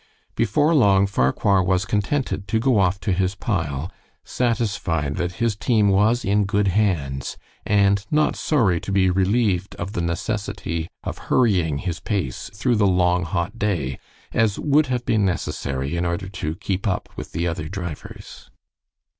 Before long Farquhar was contented to go off to his pile, satisfied that his team was in good hands, and not sorry to be relieved of the necessity of hurrying his pace through the long, hot day, as would have been necessary in order to keep up with the other drivers.